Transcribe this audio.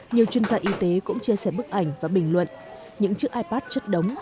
nhiều chuyên gia y tế cũng chia sẻ bức ảnh và bình luận những chiếc ipad chất đóng